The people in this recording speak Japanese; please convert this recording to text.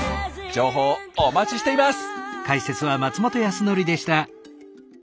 情報お待ちしています！